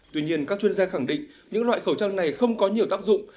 tuy nhiên các chuyên gia khẳng định những loại khẩu trang này không có nhiều tác dụng